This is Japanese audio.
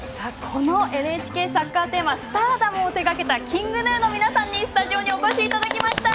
このＮＨＫサッカーテーマ「Ｓｔａｒｄｏｍ」を手がけたＫｉｎｇＧｎｕの皆さんにスタジオにお越しいただきました。